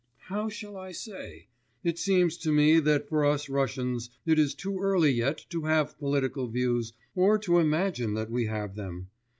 'How shall I say? It seems to me that for us Russians, it is too early yet to have political views or to imagine that we have them.